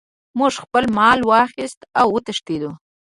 موږ خپل مال واخیست او وتښتیدو.